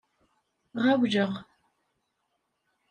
Ɣawleɣ.